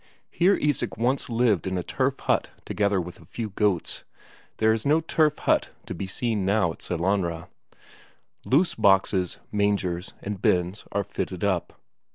Here Isak once lived in a turf hut together with a few goats there is no turf hut to be seen now at Sellanraa. Loose boxes, mangers, and bins are fitted up.